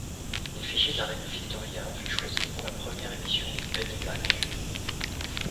L'effigie de la reine Victoria fut choisie pour la première émission du Penny Black.